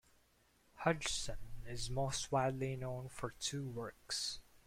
Hodgson is most widely known for two works.